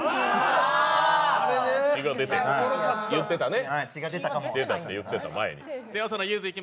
言ってたね。